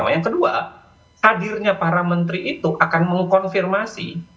yang kedua hadirnya para menteri itu akan mengkonfirmasi